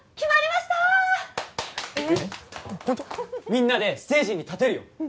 みんなでステージに立てるよ・